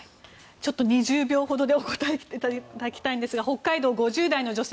２０秒ほどでお答えいただきたいんですが北海道５０代の女性。